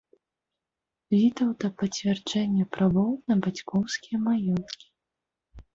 Вітаўта пацвярджэнне правоў на бацькоўскія маёнткі.